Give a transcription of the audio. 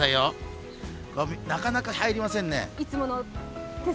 なかなか入りませんね。